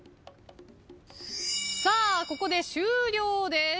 さあここで終了です。